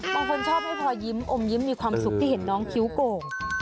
บางคนชอบไม่พอยิ้มอมยิ้มมีความสุขที่เห็นน้องคิ้วโก่ง